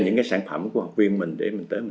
những cái sản phẩm của học viên mình để mình tới mình